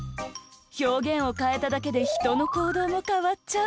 表現を変えただけでひとのこうどうも変わっちゃう。